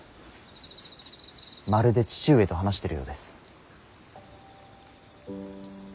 まるで父上と話してるようです。